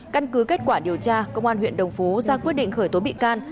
căn cứ kết quả điều tra công an huyện đồng phú ra quyết định khởi tố bị can